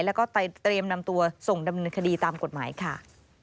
แล้วก็ไปเตรียมนำตัวส่งดำเนินคดีตามกฎหมายค่ะ